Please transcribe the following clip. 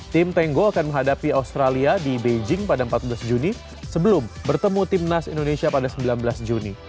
tim tenggo akan menghadapi australia di beijing pada empat belas juni sebelum bertemu timnas indonesia pada sembilan belas juni